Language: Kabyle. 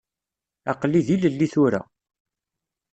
Aql-i d ilelli tura.